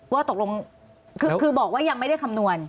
ว่าตกลงคือบอกว่ายังไม่ได้คำนวณ